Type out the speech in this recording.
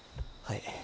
はい。